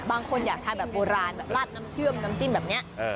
บางคนอยากทานแบบโบราณแบบลาดน้ำเชื่อมน้ำจิ้มแบบนี้